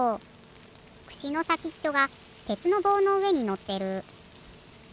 くしのさきっちょがてつのぼうのうえにのってる。